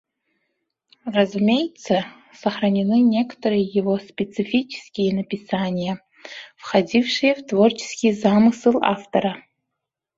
Разумеется, сохранены некоторые его специфические написания, входившие в творческий замысел автора.